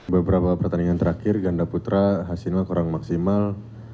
beberapa pertandingan terakhir ganda putra hasilnya kurang maksimal